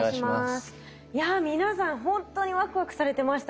いや皆さん本当にワクワクされてましたね。